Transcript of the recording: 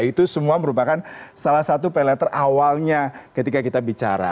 itu semua merupakan salah satu pay later awalnya ketika kita bicara